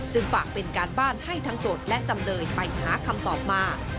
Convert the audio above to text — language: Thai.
ฝากเป็นการบ้านให้ทั้งโจทย์และจำเลยไปหาคำตอบมา